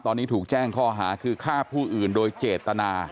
ตอนนี้ถูกแจ้งข้อหาคือฆ่าผู้อื่นโดยเจตนา